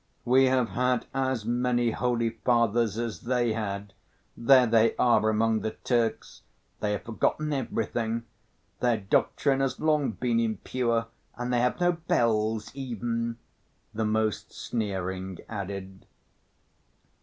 "We have had as many holy fathers as they had. There they are among the Turks, they have forgotten everything. Their doctrine has long been impure and they have no bells even," the most sneering added.